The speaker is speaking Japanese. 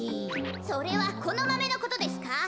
それはこのマメのことですか？